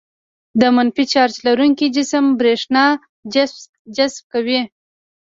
د منفي چارج لرونکي جسم برېښنا جذبه کوي.